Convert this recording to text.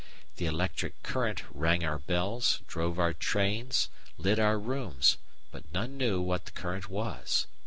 The "electric current" rang our bells, drove our trains, lit our rooms, but none knew what the current was.